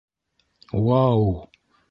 - Уау!